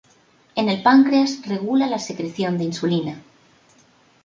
En el páncreas regula la secreción de insulina.